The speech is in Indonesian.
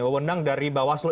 wawonang dari bawaslu